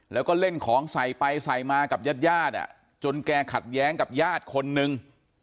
แล้วก็เล่นของใส่ไปใส่มากับญาติญาติจนแกขัดแย้งกับญาติคนนึง